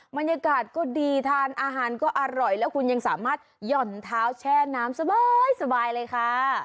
บรรยากาศก็ดีทานอาหารก็อร่อยแล้วคุณยังสามารถหย่อนเท้าแช่น้ำสบายเลยค่ะ